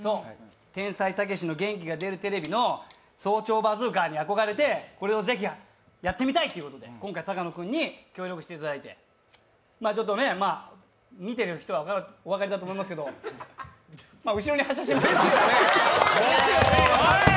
「天才・たけしの元気が出るテレビ！！」の「早朝バズーカ」に憧れて、これをぜひやってみたいということで、今回、高野君に協力していただいてまあ、見てる人はお分かりだと思いますけど、後ろに発射しましたね。